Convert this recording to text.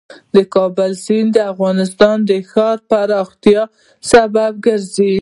د کابل سیند د افغانستان د ښاري پراختیا سبب کېږي.